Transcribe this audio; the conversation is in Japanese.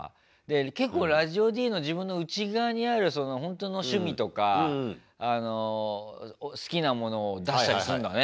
結構ラジオＤの自分の内側にあるほんとの趣味とか好きなものを出したりすんだね。